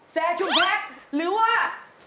แซกชูนพอกรย์หรือว่า